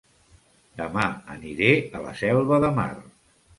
Dema aniré a La Selva de Mar